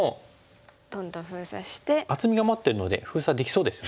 厚みが待ってるので封鎖できそうですよね。